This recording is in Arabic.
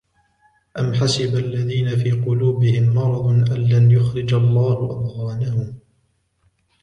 أم حسب الذين في قلوبهم مرض أن لن يخرج الله أضغانهم